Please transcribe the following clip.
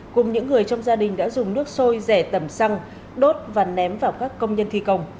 cùng những người trong gia đình đã dùng nước sôi rẻ tẩm xăng đốt và ném vào các công nhân thi công